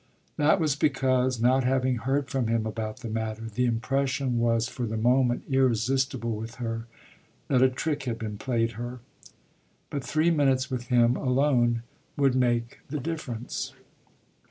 That was because, not having heard from him about the matter, the impression was for the moment irresistible with her that a trick had been played her. But three minutes with him alone would make the difference.